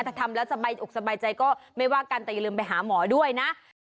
ถ้าทำแล้วสบายอกสบายใจก็ไม่ว่ากันแต่อย่าลืมไปหาหมอด้วยนะ